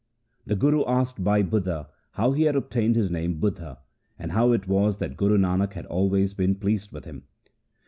The Guru asked Bhai Budha how he had obtained his name Budha, and how it was that Guru Nanak had been always pleased with him.